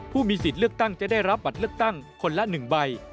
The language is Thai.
ผู้มีสิทธิ์เลือกตั้งจะได้รับบัตรเลือกตั้งคนละ๑ใบ